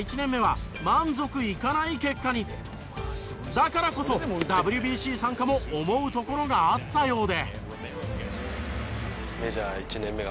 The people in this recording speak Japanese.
だからこそＷＢＣ参加も思うところがあったようで。